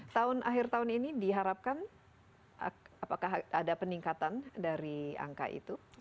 tahun akhir tahun ini diharapkan apakah ada peningkatan dari angka itu